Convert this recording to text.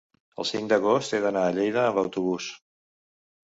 el cinc d'agost he d'anar a Lleida amb autobús.